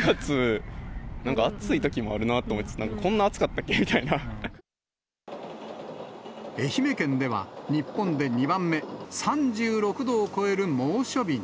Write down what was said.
９月、なんか暑いときもあるなと思ったけど、愛媛県では日本で２番目、３６度を超える猛暑日に。